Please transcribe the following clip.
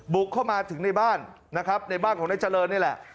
บุกเข้ามาถึงในบ้านนะครับในบ้านของนายเจริญนี่แหละ